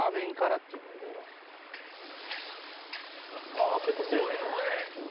ああ結構強いね。